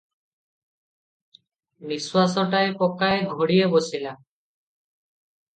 ନିଶ୍ୱାସଟାଏ ପକାଇ ଘଡ଼ିଏ ବସିଲା ।